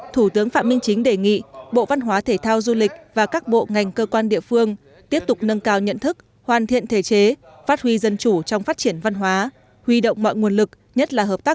thủ tướng phạm minh chính đề nghị bộ văn hóa thể thao du lịch và các bộ ngành cơ quan địa phương tiếp tục nâng cao nhận thức hoàn thiện thể chế phát huy dân chủ trong phát triển văn hóa